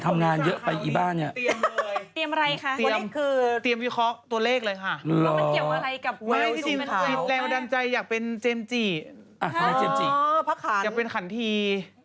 มาพอหมดเลยตีเดียววันนี้เจ๊แหลมนี้